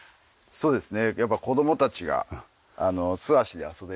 そうですね。